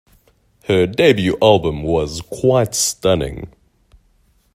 Her debut album was quite stunning.